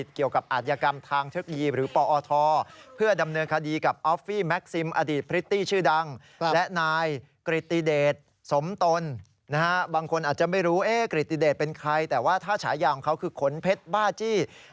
ขนเพชรบ้าจี้ขนเพชรบ้าจี้